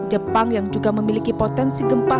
jepang yang juga memiliki potensi gempa